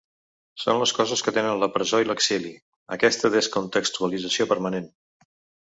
Són les coses que tenen la presó i l’exili: aquesta ‘descontextualització’ permanent.